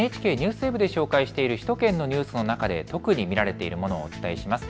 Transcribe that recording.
ＮＨＫＮＥＷＳＷＥＢで紹介している首都圏のニュースの中で特に見られているものをお伝えします。